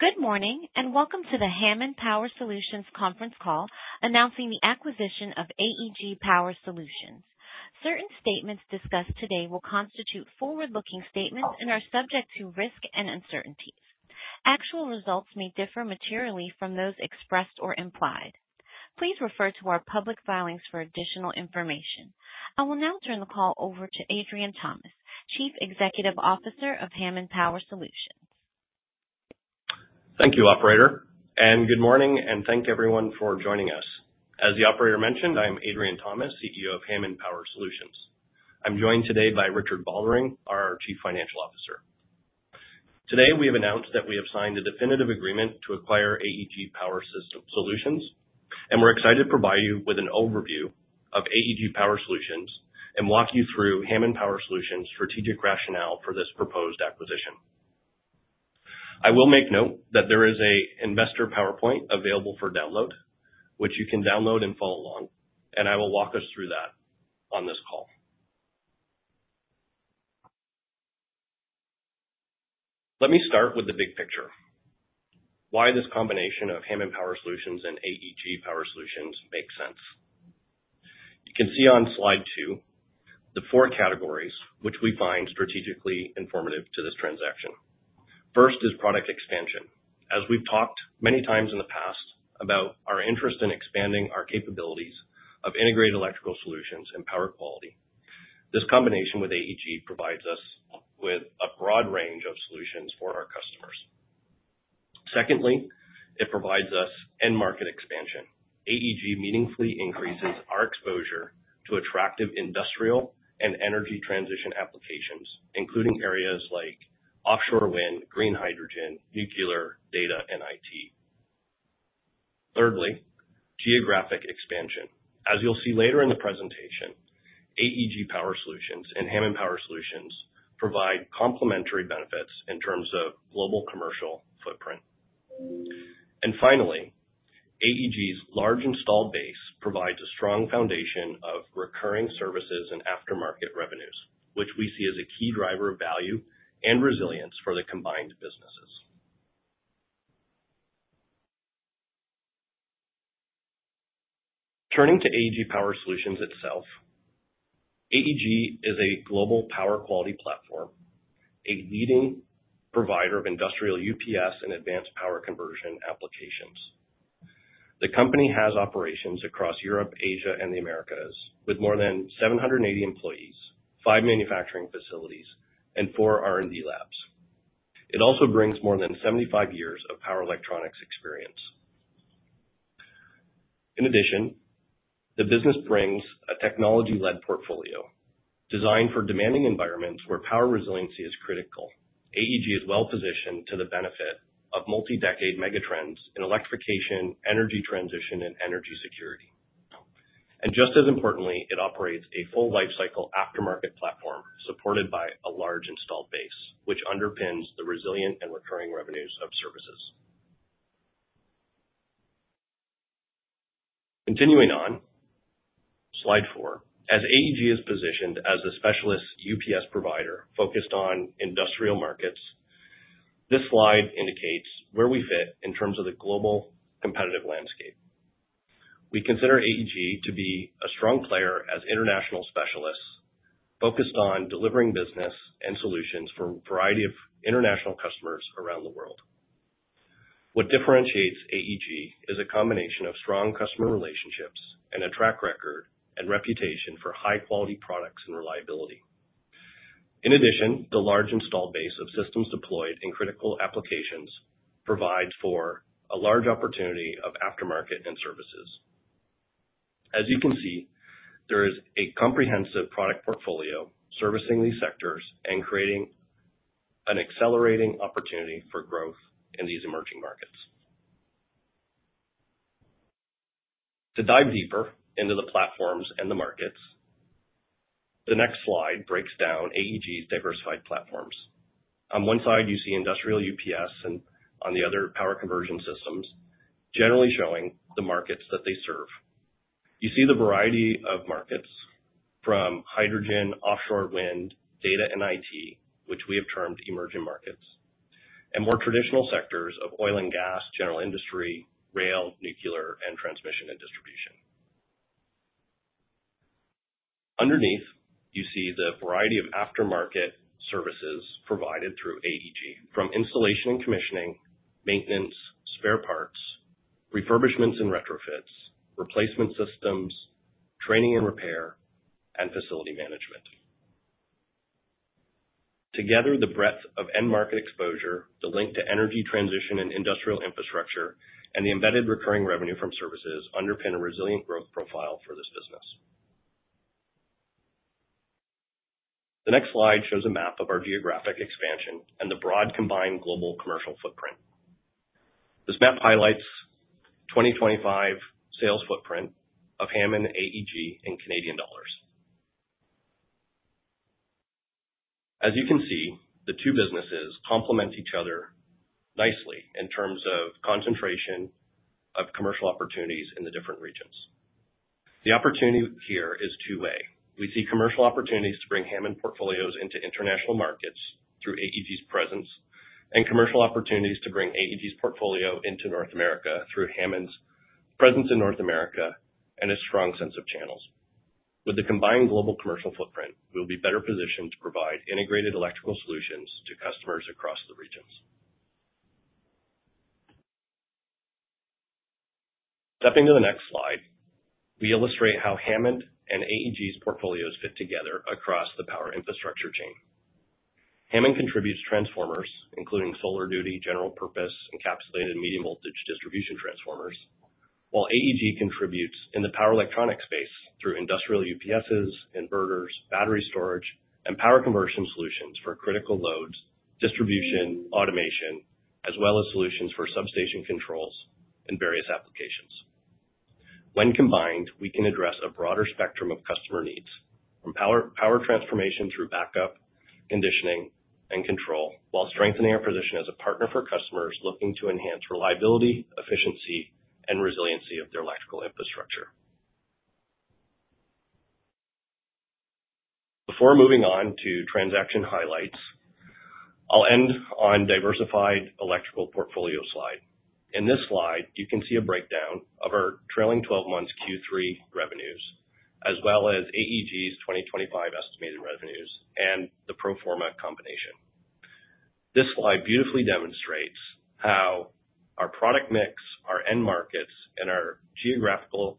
Good morning, and welcome to the Hammond Power Solutions Conference Call, announcing the acquisition of AEG Power Solutions. Certain statements discussed today will constitute forward-looking statements and are subject to risk and uncertainty. Actual results may differ materially from those expressed or implied. Please refer to our public filings for additional information. I will now turn the call over to Adrian Thomas, Chief Executive Officer of Hammond Power Solutions. Thank you, operator, and good morning, and thank everyone for joining us. As the operator mentioned, I'm Adrian Thomas, CEO of Hammond Power Solutions. I'm joined today by Richard Vollering, our Chief Financial Officer. Today, we have announced that we have signed a definitive agreement to acquire AEG Power Solutions, and we're excited to provide you with an overview of AEG Power Solutions and walk you through Hammond Power Solutions' strategic rationale for this proposed acquisition. I will make note that there is an investor PowerPoint available for download, which you can download and follow along, and I will walk us through that on this call. Let me start with the big picture. Why this combination of Hammond Power Solutions and AEG Power Solutions makes sense. You can see on Slide two, the four categories which we find strategically informative to this transaction. First is product expansion. As we've talked many times in the past about our interest in expanding our capabilities of integrated electrical solutions and power quality, this combination with AEG provides us with a broad range of solutions for our customers. Secondly, it provides us end market expansion. AEG meaningfully increases our exposure to attractive industrial and energy transition applications, including areas like offshore wind, green hydrogen, nuclear, data, and IT. Thirdly, geographic expansion. As you'll see later in the presentation, AEG Power Solutions and Hammond Power Solutions provide complementary benefits in terms of global commercial footprint. And finally, AEG's large installed base provides a strong foundation of recurring services and aftermarket revenues, which we see as a key driver of value and resilience for the combined businesses. Turning to AEG Power Solutions itself. AEG is a global power quality platform, a leading provider of industrial UPS and advanced power conversion applications. The company has operations across Europe, Asia, and the Americas, with more than 780 employees, 5 manufacturing facilities, and 4 R&D labs. It also brings more than 75 years of power electronics experience. In addition, the business brings a technology-led portfolio designed for demanding environments where power resiliency is critical. AEG is well positioned to the benefit of multi-decade megatrends in electrification, energy transition, and energy security. And just as importantly, it operates a full lifecycle aftermarket platform supported by a large installed base, which underpins the resilient and recurring revenues of services. Continuing on Slide four. As AEG is positioned as a specialist UPS provider focused on industrial markets, this slide indicates where we fit in terms of the global competitive landscape. We consider AEG to be a strong player as international specialists focused on delivering business and solutions for a variety of international customers around the world. What differentiates AEG is a combination of strong customer relationships and a track record and reputation for high-quality products and reliability. In addition, the large installed base of systems deployed in critical applications provides for a large opportunity of aftermarket and services. As you can see, there is a comprehensive product portfolio servicing these sectors and creating an accelerating opportunity for growth in these emerging markets. To dive deeper into the platforms and the markets, the next slide breaks down AEG's diversified platforms. On one side, you see industrial UPS, and on the other, power conversion systems, generally showing the markets that they serve. You see the variety of markets, from hydrogen, offshore wind, data and IT, which we have termed emerging markets, and more traditional sectors of oil and gas, general industry, rail, nuclear, and transmission and distribution. Underneath, you see the variety of aftermarket services provided through AEG, from installation and commissioning, maintenance, spare parts, refurbishments and retrofits, replacement systems, training and repair, and facility management. Together, the breadth of end-market exposure, the link to energy transition and industrial infrastructure, and the embedded recurring revenue from services underpin a resilient growth profile for this business. The next slide shows a map of our geographic expansion and the broad, combined global commercial footprint. This map highlights 2025 sales footprint of Hammond, AEG in Canadian dollars. As you can see, the two businesses complement each other nicely in terms of concentration of commercial opportunities in the different regions. The opportunity here is two way. We see commercial opportunities to bring Hammond portfolios into international markets through AEG's presence, and commercial opportunities to bring AEG's portfolio into North America through Hammond's presence in North America and a strong sense of channels. With the combined global commercial footprint, we'll be better positioned to provide integrated electrical solutions to customers across the regions. Stepping to the next slide, we illustrate how Hammond and AEG's portfolios fit together across the power infrastructure chain. Hammond contributes transformers, including solar duty, general purpose, encapsulated medium voltage distribution transformers, while AEG contributes in the power electronics space through industrial UPSs, inverters, battery storage, and power conversion solutions for critical loads, distribution, automation, as well as solutions for substation controls and various applications. When combined, we can address a broader spectrum of customer needs, from power, power transformation through backup, conditioning, and control, while strengthening our position as a partner for customers looking to enhance reliability, efficiency, and resiliency of their electrical infrastructure. Before moving on to transaction highlights, I'll end on diversified electrical portfolio slide. In this slide, you can see a breakdown of our trailing twelve months Q3 revenues, as well as AEG's 2025 estimated revenues and the pro forma combination. This slide beautifully demonstrates how our product mix, our end markets, and our geographical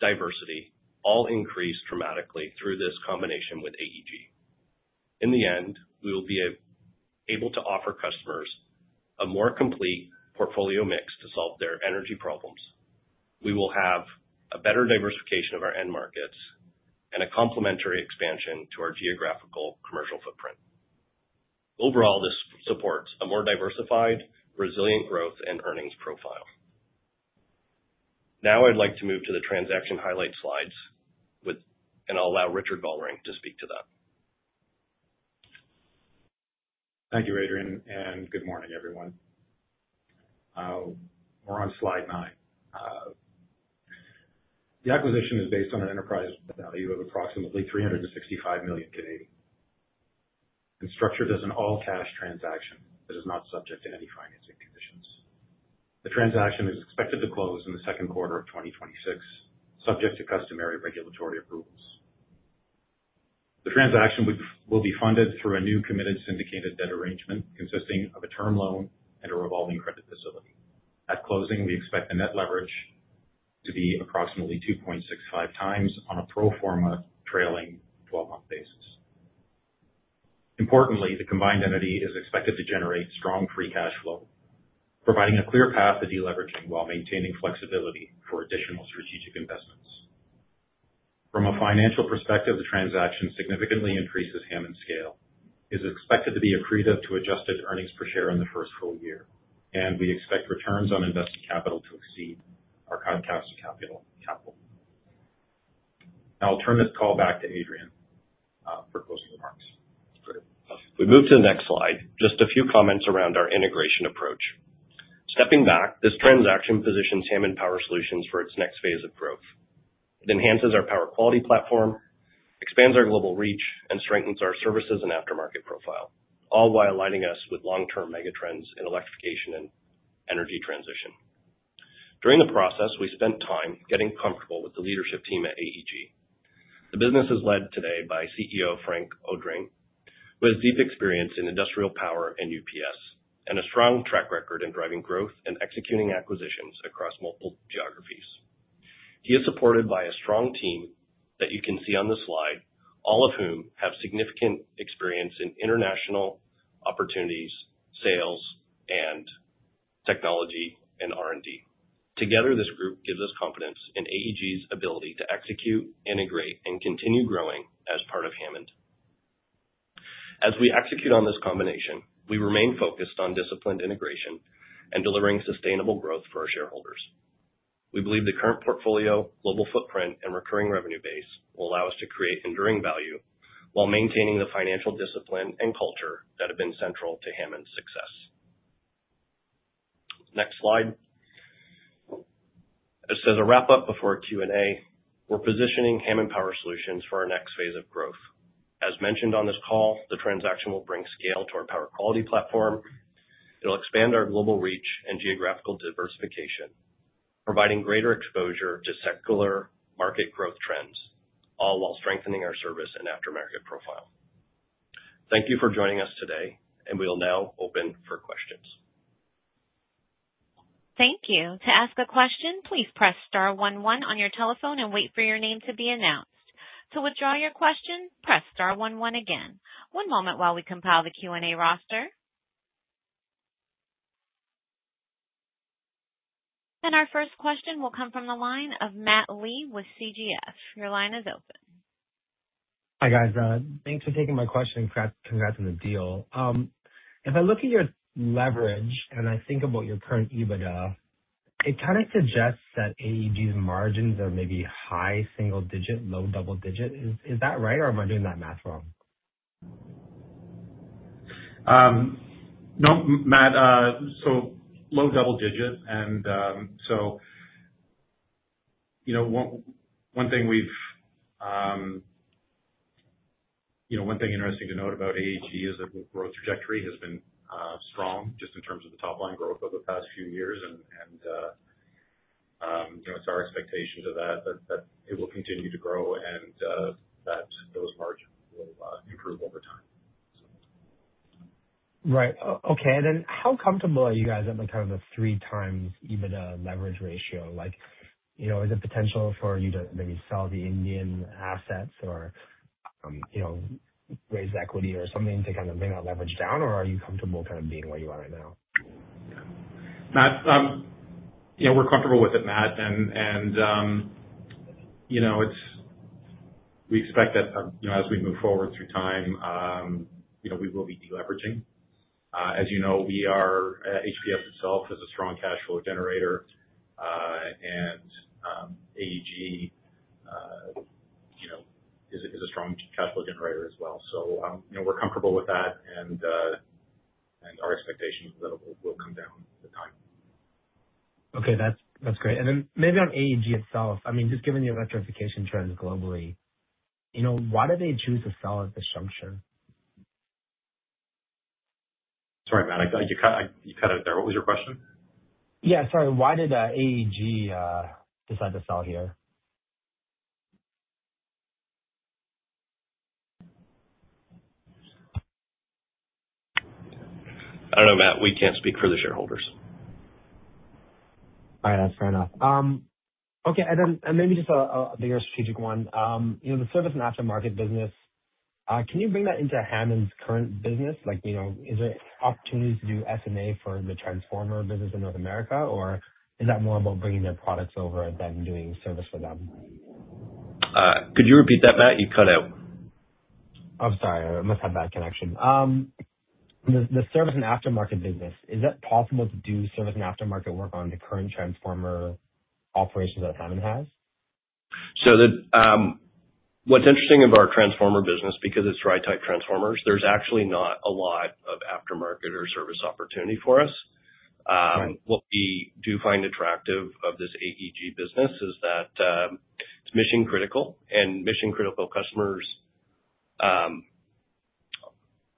diversity all increase dramatically through this combination with AEG. In the end, we will be able to offer customers a more complete portfolio mix to solve their energy problems. We will have a better diversification of our end markets and a complementary expansion to our geographical commercial footprint. Overall, this supports a more diversified, resilient growth and earnings profile. Now, I'd like to move to the transaction highlight slides and I'll allow Richard Vollering to speak to that. Thank you, Adrian, and good morning, everyone. We're on slide nine. The acquisition is based on an enterprise value of approximately 365 million, and structured as an all-cash transaction that is not subject to any financing conditions. The transaction is expected to close in the second quarter of 2026, subject to customary regulatory approvals. The transaction would, will be funded through a new committed syndicated debt arrangement, consisting of a term loan and a revolving credit facility. At closing, we expect the net leverage to be approximately 2.65x on a pro forma trailing twelve-month basis. Importantly, the combined entity is expected to generate strong free cash flow, providing a clear path to deleveraging while maintaining flexibility for additional strategic investments. From a financial perspective, the transaction significantly increases Hammond's scale. It is expected to be accretive to adjusted earnings per share in the first full year, and we expect returns on invested capital to exceed our cost of capital, capital. I'll turn this call back to Adrian for closing remarks. Great. We move to the next slide. Just a few comments around our integration approach. Stepping back, this transaction positions Hammond Power Solutions for its next phase of growth. It enhances our power quality platform, expands our global reach, and strengthens our services and aftermarket profile, all while aligning us with long-term megatrends in electrification and energy transition. During the process, we spent time getting comfortable with the leadership team at AEG. The business is led today by CEO Franck Audrain, with deep experience in industrial power and UPS, and a strong track record in driving growth and executing acquisitions across multiple geographies. He is supported by a strong team that you can see on the slide, all of whom have significant experience in international opportunities, sales, and technology and R&D. Together, this group gives us confidence in AEG's ability to execute, integrate, and continue growing as part of Hammond. As we execute on this combination, we remain focused on disciplined integration and delivering sustainable growth for our shareholders. We believe the current portfolio, global footprint, and recurring revenue base will allow us to create enduring value while maintaining the financial discipline and culture that have been central to Hammond's success. Next slide. As to the wrap-up before Q&A, we're positioning Hammond Power Solutions for our next phase of growth. As mentioned on this call, the transaction will bring scale to our power quality platform. It'll expand our global reach and geographical diversification, providing greater exposure to secular market growth trends, all while strengthening our service and aftermarket profile. Thank you for joining us today, and we'll now open for questions. Thank you. To ask a question, please press star one one on your telephone and wait for your name to be announced. To withdraw your question, press star one one again. One moment while we compile the Q&A roster. Our first question will come from the line of Matt Lee with CGF. Your line is open. Hi, guys. Thanks for taking my question. Congrats, congrats on the deal. If I look at your leverage and I think about your current EBITDA, it kind of suggests that AEG's margins are maybe high single digit, low double digit. Is that right, or am I doing that math wrong? No, Matt, so low double digit, and, so, you know, one, one thing we've, you know, one thing interesting to note about AEG is that the growth trajectory has been strong, just in terms of the top line growth over the past few years, and, and, you know, it's our expectation that it will continue to grow and that those margins will improve over time. Right. Okay, and then how comfortable are you guys at the kind of the 3x even leverage ratio? Like, you know, is there potential for you to maybe sell the Indian assets or, you know, raise equity or something to kind of bring that leverage down? Or are you comfortable kind of being where you are right now? Matt, yeah, we're comfortable with it, Matt, and, you know, it's. We expect that, you know, as we move forward through time, you know, we will be deleveraging. As you know, we are, HPS itself is a strong cash flow generator, and, AEG, you know, is a strong cash flow generator as well. So, you know, we're comfortable with that and, and our expectation is that it will come down with time. Okay, that's great. And then maybe on AEG itself, I mean, just given the electrification trends globally, you know, why did they choose to sell at this juncture? Sorry, Matt, you cut out there. What was your question? Yeah, sorry. Why did AEG decide to sell here? I don't know, Matt, we can't speak for the shareholders. All right. That's fair enough. Okay, maybe just a bigger strategic one. You know, the service and aftermarket business, can you bring that into Hammond's current business? Like, you know, is there opportunities to do SMA for the transformer business in North America, or is that more about bringing their products over than doing service for them? Could you repeat that, Matt? You cut out. I'm sorry. I must have bad connection. The service and aftermarket business, is that possible to do service and aftermarket work on the current transformer operations that Hammond has? What's interesting about our transformer business, because it's dry-type transformers, there's actually not a lot of aftermarket or service opportunity for us. Right. What we do find attractive of this AEG business is that, it's mission critical, and mission critical customers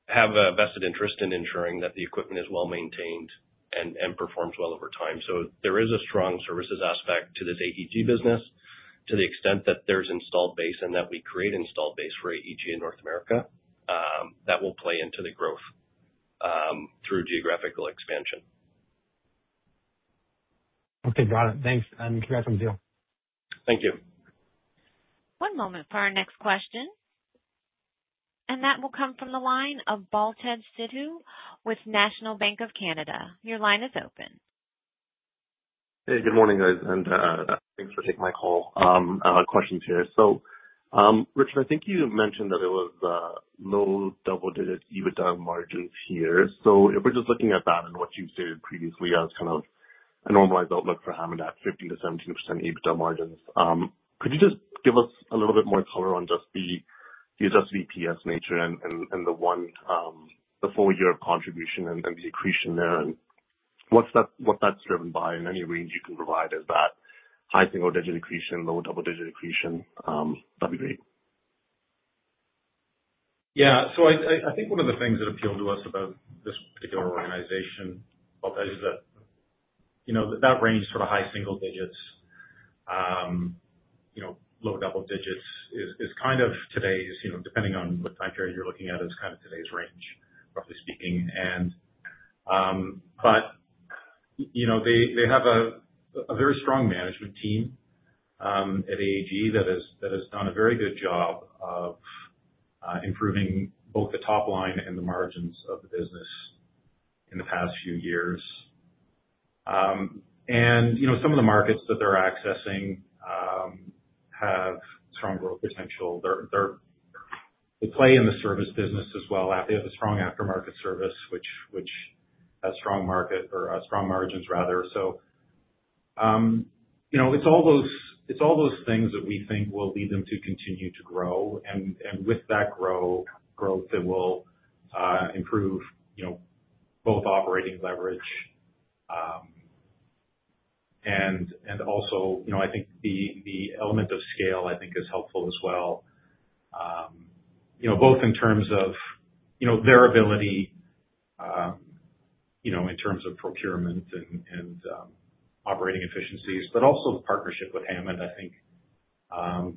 have a vested interest in ensuring that the equipment is well maintained and performs well over time. So there is a strong services aspect to this AEG business, to the extent that there's installed base and that we create installed base for AEG in North America, that will play into the growth through geographical expansion. Okay, got it. Thanks, and congrats on the deal. Thank you. One moment for our next question, and that will come from the line of Baltej Sidhu with National Bank of Canada. Your line is open. Hey, good morning, guys, and thanks for taking my call. I have questions here. So, Richard, I think you mentioned that there was low double-digit EBITDA margins here. So if we're just looking at that and what you've stated previously as kind of a normalized outlook for Hammond at 15%-17% EBITDA margins, could you just give us a little bit more color on just the adjusted EPS nature and the one, the full year of contribution and the accretion there, and what's that, what that's driven by? And any range you can provide, is that high single digit accretion, low double digit accretion? That'd be great. Yeah. So I think one of the things that appealed to us about this particular organization, Baltej, is that, you know, that range for the high single digits, you know, low double digits, is kind of today's, you know, depending on what time period you're looking at, is kind of today's range, roughly speaking. And, but, you know, they have a very strong management team at AEG that has done a very good job of improving both the top line and the margins of the business in the past few years. And, you know, some of the markets that they're accessing have strong growth potential. They play in the service business as well. They have a strong aftermarket service, which has strong market, or strong margins rather. So, you know, it's all those things that we think will lead them to continue to grow, and with that growth, it will improve, you know, both operating leverage and also, you know, I think the element of scale, I think is helpful as well. You know, both in terms of their ability, you know, in terms of procurement and operating efficiencies, but also the partnership with Hammond, I think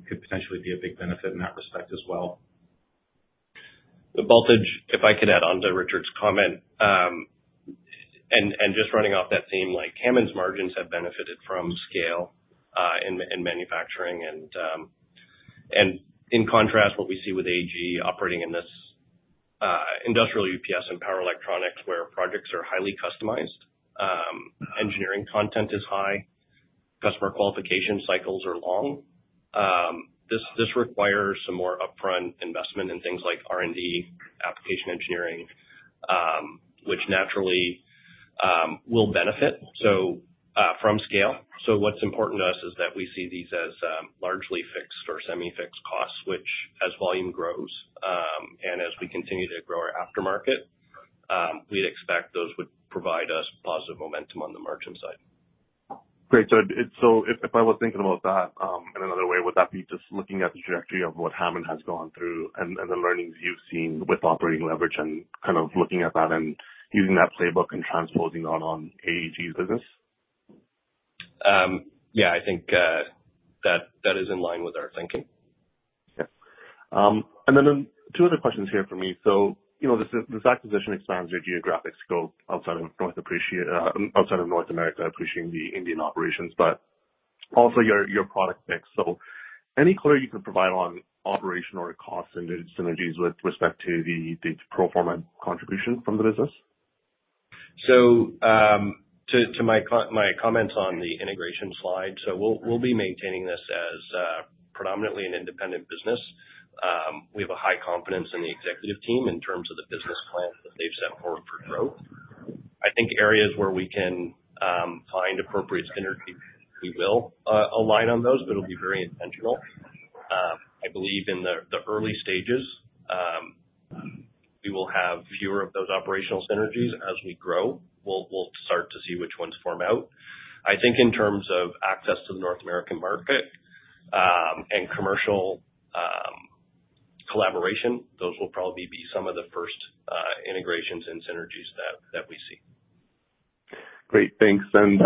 could potentially be a big benefit in that respect as well. Baltej, if I could add on to Richard's comment, and just running off that theme, like, Hammond's margins have benefited from scale, in manufacturing and, in contrast, what we see with AEG operating in this, industrial UPS and power electronics, where projects are highly customized, engineering content is high, customer qualification cycles are long. This requires some more upfront investment in things like R&D, application engineering. which naturally will benefit, so, from scale. So what's important to us is that we see these as largely fixed or semi-fixed costs, which as volume grows and as we continue to grow our aftermarket, we'd expect those would provide us positive momentum on the margin side. Great. So it's so if I was thinking about that in another way, would that be just looking at the trajectory of what Hammond has gone through and the learnings you've seen with operating leverage and kind of looking at that and using that playbook and transposing that on AEG's business? Yeah, I think that is in line with our thinking. Yeah. And then two other questions here for me. So, you know, this, this acquisition expands your geographic scope outside of North America, appreciating the Indian operations, but also your, your product mix. So any color you can provide on operational or cost synergies with respect to the, the pro forma contribution from the business? So, to my comments on the integration slide, we'll be maintaining this as predominantly an independent business. We have a high confidence in the executive team in terms of the business plans that they've set forth for growth. I think areas where we can find appropriate synergies, we will align on those, but it'll be very intentional. I believe in the early stages, we will have fewer of those operational synergies. As we grow, we'll start to see which ones form out. I think in terms of access to the North American market and commercial collaboration, those will probably be some of the first integrations and synergies that we see. Great, thanks. And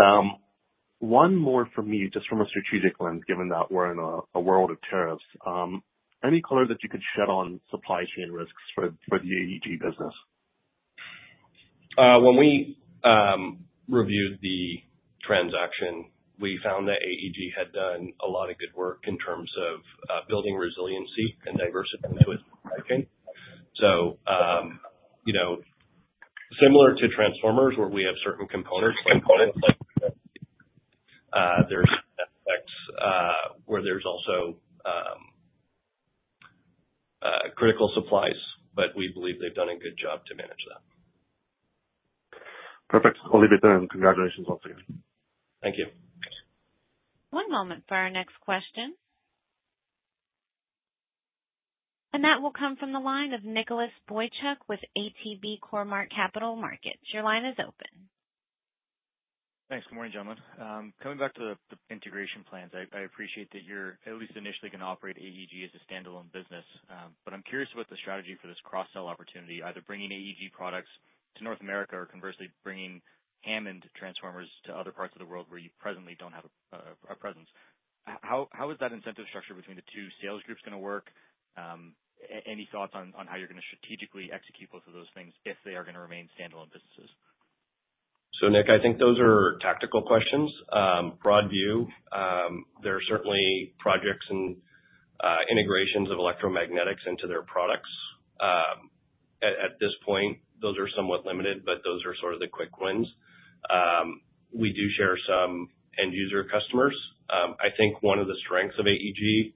one more from me, just from a strategic lens, given that we're in a world of tariffs, any color that you could shed on supply chain risks for the AEG business? When we reviewed the transaction, we found that AEG had done a lot of good work in terms of building resiliency and diversity into its supply chain. So, you know, similar to transformers, where we have certain components, components like there's IGBTs where there's also critical supplies, but we believe they've done a good job to manage that. Perfect. I'll leave it there. Congratulations once again. Thank you. One moment for our next question. That will come from the line of Nicholas Boychuk with ATB Capital Markets. Your line is open. Thanks. Good morning, gentlemen. Coming back to the integration plans, I appreciate that you're at least initially going to operate AEG as a standalone business. But I'm curious about the strategy for this cross-sell opportunity, either bringing AEG products to North America or conversely, bringing Hammond Transformers to other parts of the world where you presently don't have a presence. How is that incentive structure between the two sales groups gonna work? Any thoughts on how you're going to strategically execute both of those things if they are going to remain standalone businesses? So Nick, I think those are tactical questions. Broad view, there are certainly projects and integrations of electromagnetics into their products. At this point, those are somewhat limited, but those are sort of the quick wins. We do share some end user customers. I think one of the strengths of AEG,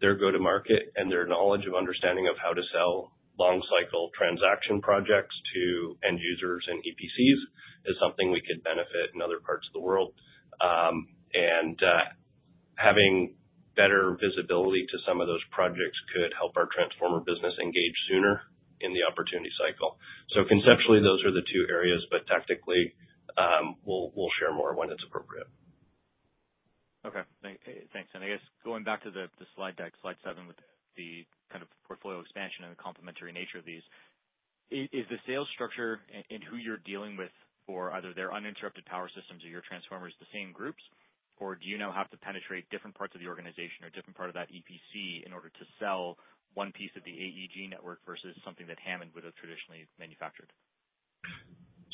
their go-to-market and their knowledge of understanding of how to sell long cycle transaction projects to end users and EPCs, is something we could benefit in other parts of the world. And having better visibility to some of those projects could help our transformer business engage sooner in the opportunity cycle. So conceptually, those are the two areas, but tactically, we'll share more when it's appropriate. Okay. Thanks. And I guess going back to the slide deck, slide seven, with the kind of portfolio expansion and the complementary nature of these, is the sales structure and who you're dealing with for either their uninterrupted power systems or your transformers, the same groups? Or do you now have to penetrate different parts of the organization or different part of that EPC in order to sell one piece of the AEG network versus something that Hammond would have traditionally manufactured?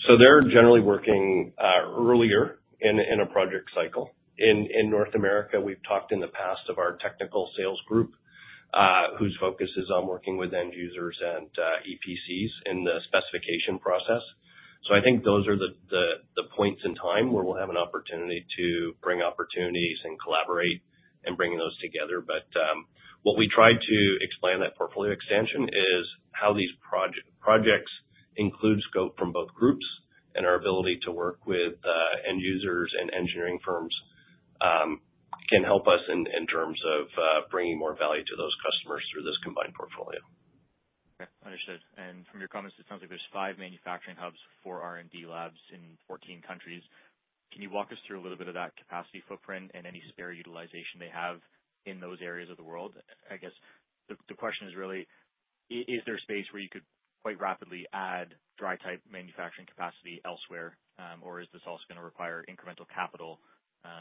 So they're generally working earlier in a project cycle. In North America, we've talked in the past of our technical sales group, whose focus is on working with end users and EPCs in the specification process. So I think those are the points in time where we'll have an opportunity to bring opportunities and collaborate in bringing those together. But what we tried to explain in that portfolio extension is how these projects include scope from both groups, and our ability to work with end users and engineering firms can help us in terms of bringing more value to those customers through this combined portfolio. Okay, understood. And from your comments, it sounds like there's five manufacturing hubs, four R&D labs in 14 countries. Can you walk us through a little bit of that capacity footprint and any spare utilization they have in those areas of the world? I guess the question is really: is there space where you could quite rapidly add dry type manufacturing capacity elsewhere, or is this also going to require incremental capital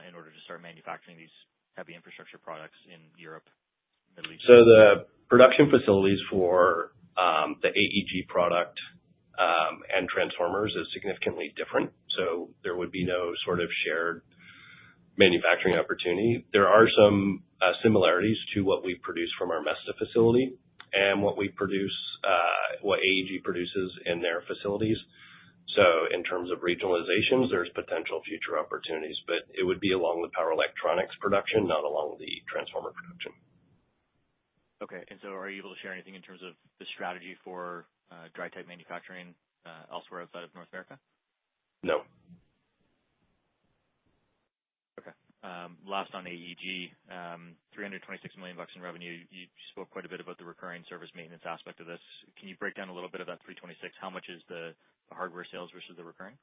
in order to start manufacturing these heavy infrastructure products in Europe, Middle East? The production facilities for the AEG product and transformers is significantly different. There would be no sort of shared manufacturing opportunity. There are some similarities to what we produce from our Mesta facility and what AEG produces in their facilities. In terms of regionalizations, there's potential future opportunities, but it would be along with power electronics production, not along the transformer production. Okay, and so are you able to share anything in terms of the strategy for dry-type manufacturing elsewhere outside of North America? No. Okay. Last on AEG, $326 million in revenue. You spoke quite a bit about the recurring service maintenance aspect of this. Can you break down a little bit of that 326? How much is the, the hardware sales versus the recurring?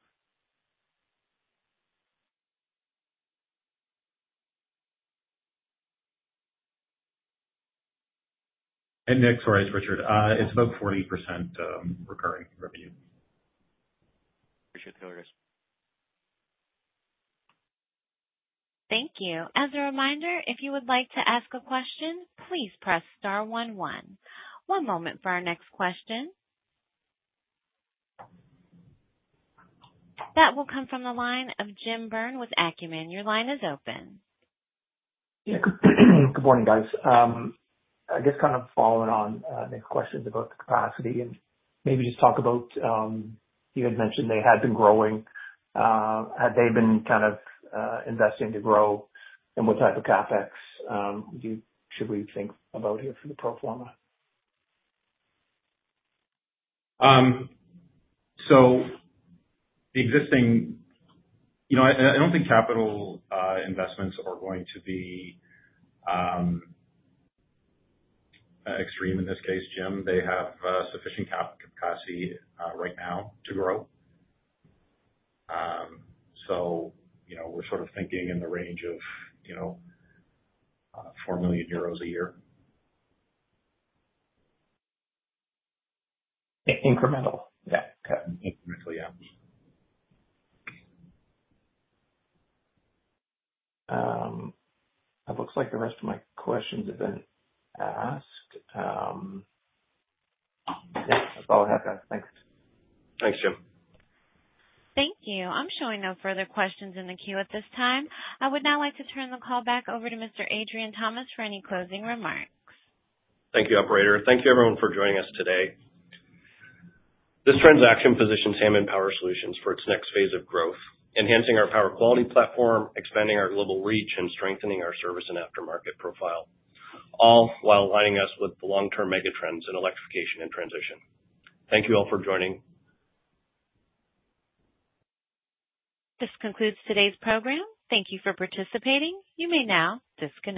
Nick, sorry, it's Richard. It's about 40%, recurring revenue. Appreciate the clarity. Thank you. As a reminder, if you would like to ask a question, please press star one one. One moment for our next question. That will come from the line of Jim Byrne with Acumen. Your line is open. Yeah, good morning, guys. I guess kind of following on Nick's questions about the capacity, and maybe just talk about you had mentioned they had been growing. Had they been kind of investing to grow? And what type of CapEx do you, should we think about here for the pro forma? So the existing you know, I, I don't think capital investments are going to be extreme in this case, Jim. They have sufficient capacity right now to grow. So, you know, we're sort of thinking in the range of, you know, 4 million euros a year. Incremental? Yeah. Incrementally, yeah. It looks like the rest of my questions have been asked. Yeah, that's all I have, guys. Thanks. Thanks, Jim. Thank you. I'm showing no further questions in the queue at this time. I would now like to turn the call back over to Mr. Adrian Thomas for any closing remarks. Thank you, Operator. Thank you, everyone, for joining us today. This transaction positions Hammond Power Solutions for its next phase of growth, enhancing our power quality platform, expanding our global reach, and strengthening our service and aftermarket profile, all while aligning us with the long-term megatrends in electrification and transition. Thank you all for joining. This concludes today's program. Thank you for participating. You may now disconnect.